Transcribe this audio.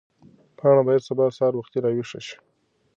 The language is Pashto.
پاڼه باید سبا سهار وختي راویښه شي.